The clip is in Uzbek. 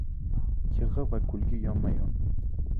• Yig‘i va kulgi yonma-yon.